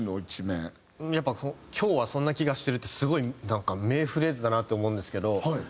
「今日はそんな気がしてる」ってすごい名フレーズだなって思うんですけど。